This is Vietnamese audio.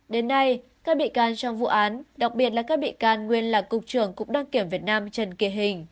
đến nay các bị can trong vụ án đặc biệt là các bị can nguyên là cục trưởng cục đăng kiểm việt nam trần kỳ hình